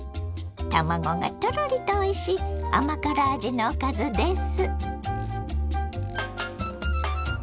卵がトロリとおいしい甘辛味のおかずです。